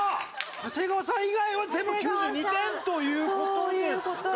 長谷川さん以外は全部９２点という事ですか。